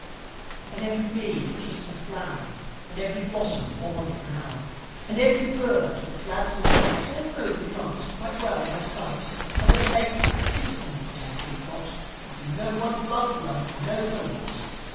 And every bee that kisses a flow'r, And every blossom, born for an hour, And every bird on its gladsome flight, All know the Glugs quite well by sight. For they say, "'Tis a simple test we've got: If you know one Glug, why, you know the lot!"